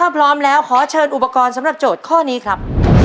พร้อมแล้วขอเชิญอุปกรณ์สำหรับโจทย์ข้อนี้ครับ